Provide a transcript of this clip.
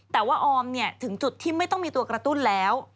แต่ว่าออมถึงจุดที่ไม่ต้องมีตัวกระตุ้นแล้ว